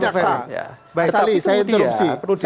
baik sali saya interupsi tetapi itu media